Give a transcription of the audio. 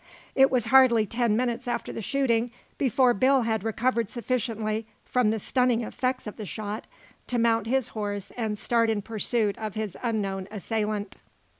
It was hardly ten minutes after the shooting before Bill had recovered sufficiently from the stunning effects of the shot to mount his horse and start in pursuit of his unknown assailant.